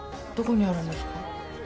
どこにあるんですか？